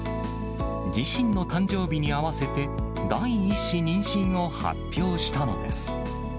自身の誕生日に合わせて、第１子妊娠を発表したのです。